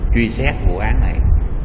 truy xét vụ án này